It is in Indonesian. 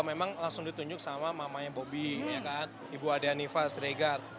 memang langsung ditunjuk sama mamanya bobi ibu ade hanifa sregar